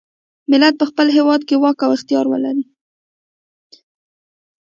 ملت په خپل هیواد کې واک او اختیار ولري.